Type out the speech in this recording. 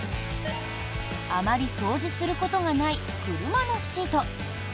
あまり掃除することがない車のシート。